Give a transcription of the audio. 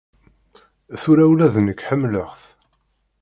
Tura ula d nekk ḥemmleɣ-t.